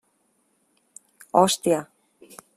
Hòstia!